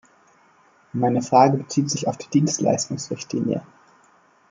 Meine Frage bezieht sich auf die Dienstleistungsrichtlinie.